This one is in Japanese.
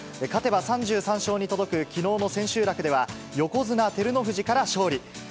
勝てば３３勝に届くきのうの千秋楽では、横綱・照ノ富士から勝利。